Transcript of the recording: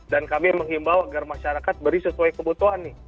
dan kami mengimbau agar masyarakat beri sesuai kebutuhan